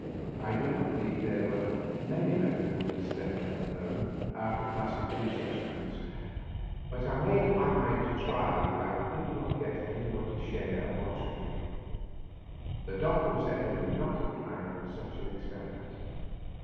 I do not believe there are many men who would have slept there alone, after pass ing two such nights. But I made up my mind to try it if I could not get any one to share a watch with me. The doctor was evidently not inclined for such an experi ment.